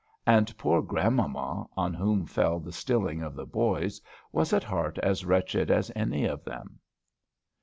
And poor grandmamma, on whom fell the stilling of the boys, was at heart as wretched as any of them.